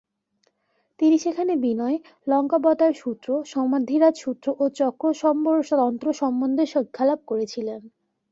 তিনি সেখানে বিনয়, লঙ্কাবতারসূত্র, সমাধিরাজসূত্র ও চক্রসম্বর তন্ত্র সম্বন্ধে শিক্ষালাভ করেছিলেন।